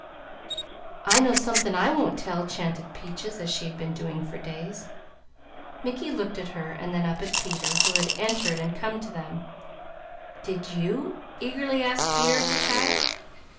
"I know something I won't tell," chanted Peaches, as she had been doing for days. Mickey looked at her, then up at Peter, who had entered and come to them. "Did you?" eagerly asked Peter of the child.